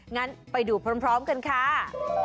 งั้นไปดูพร้อมกันค่ะ